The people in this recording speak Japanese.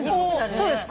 そうですか？